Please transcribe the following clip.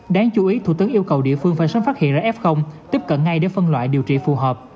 đáng chú ý thủ tướng yêu cầu địa phương phải sớm phát hiện ra f tiếp cận ngay để phân loại điều trị phù hợp